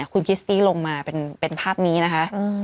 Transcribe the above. คุณคิสตี้ลงมาเป็นภาพนี้นะคะ